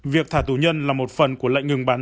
việc thả tù nhân là một phần của lệnh ngừng bắn